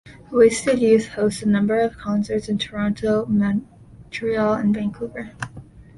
"Wasted Youth" hosts a number of concerts in Toronto, Montreal and Vancouver.